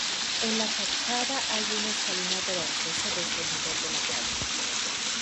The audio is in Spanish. En la fachada hay una escalinata de acceso desde el nivel de la calle.